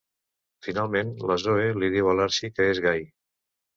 Finalment, la Zoe li diu a l'Archie que és gai.